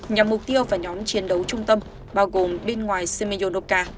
nhằm mục tiêu và nhóm chiến đấu trung tâm bao gồm bên ngoài semyonovka